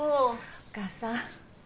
お義母さん。